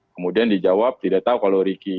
kemudian dijawab tidak tahu kalau ricky